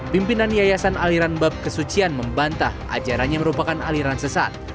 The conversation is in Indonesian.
pimpinan yayasan aliran bab kesucian membantah ajarannya merupakan aliran sesat